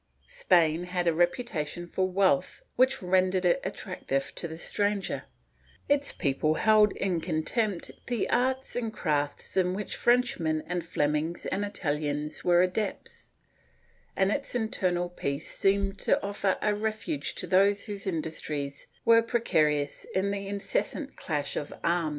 Spain had a reputation for wealth which rendered it attractive to the stranger; its people held in contempt the arts and crafts in which Frenchmen and Flemings and Italians were adepts, and its internal peace seemed to offer a refuge to those whose industries were precarious in the incessant clash of arms through which the old order of things gave way to the new.